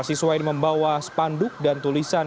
siswa ini membawa spanduk dan tulisan